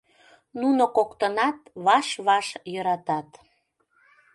Нуно коктынат ваш-ваш йӧратат.